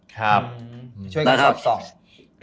ครับช่วยกันสอดส่อง